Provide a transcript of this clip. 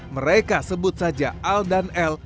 mereka sebut saja al dan el